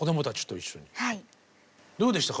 どうでしたか？